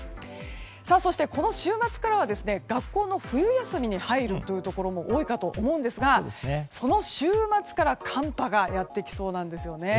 そしてこの週末からは学校の冬休みに入るというところも多いかと思うんですがその週末から寒波がやってきそうなんですね。